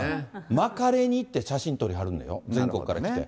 巻かれに行って写真撮りはるのよ、全国から来て。